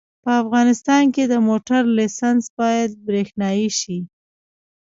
په افغانستان کې د موټر لېسنس باید برېښنایي شي